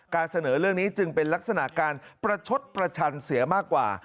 เสนอเรื่องนี้จึงเป็นลักษณะการประชดประชันเสียมากกว่า